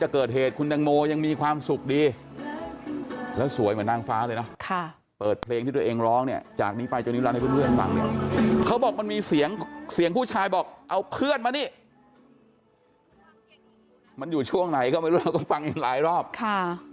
เกิดเหตุคุณตังโมยังมีความสุขดีแล้วสวยเหมือนนางฟ้าเลยนะค่ะเปิดเพลงที่ตัวเองร้องเนี่ยจากนี้ไปจนนิรันให้เพื่อนฟังเนี่ยเขาบอกมันมีเสียงเสียงผู้ชายบอกเอาเพื่อนมานี่มันอยู่ช่วงไหนก็ไม่รู้เราก็ฟังอีกหลายรอบค่ะ